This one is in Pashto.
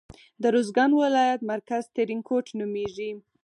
د روزګان ولایت مرکز ترینکوټ نومیږي.